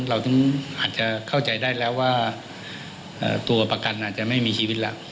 เราถึงอาจจะเข้าใจได้แล้วว่าตัวประกันอาจจะไม่มีชีวิตแล้ว